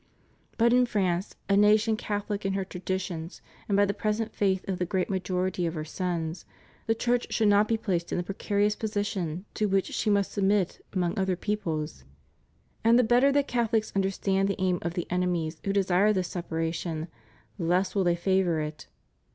But in France, a nation Catholic in her traditions and by the present faith of the great majority of her sons, the Church should not be placed in the precarious position to which she must submit among other peoples ; and the better that Catholics understand the aim of the enemies who desire this separation, the less will they favor it.